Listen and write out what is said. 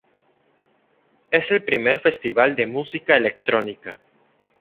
Es el primer festival de música electrónica.